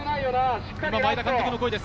今、前田監督の声です。